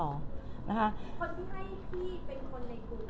คนที่ให้พี่เป็นคนในกลุ่ม